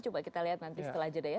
coba kita lihat nanti setelah jeda ya